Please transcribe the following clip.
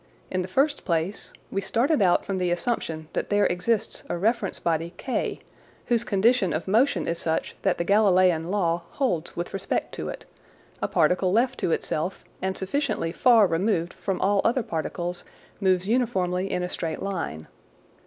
In the first place, we started out from the assumption that there exists a reference body K, whose condition of motion is such that the Galileian law holds with respect to it : A particle left to itself and sufficiently far removed from all other particles moves uniformly in a straight line.